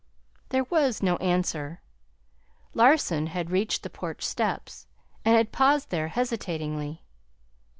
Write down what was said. There was no answer. Larson had reached the porch steps, and had paused there hesitatingly.